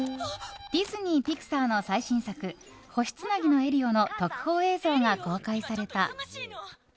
ディズニー＆ピクサーの最新作「星つなぎのエリオ」の特報映像が公開された。